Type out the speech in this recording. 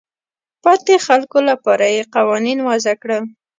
د پاتې خلکو لپاره یې قوانین وضع کړل.